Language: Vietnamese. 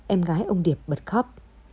em gái ông điệp bật khóc